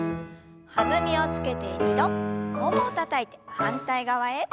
弾みをつけて２度ももをたたいて反対側へ。